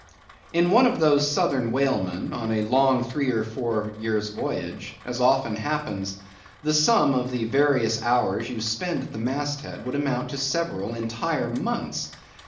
In one of those southern whalesmen, on a long three or four years' voyage, as often happens, the sum of the various hours you spend at the mast head would amount to several entire months.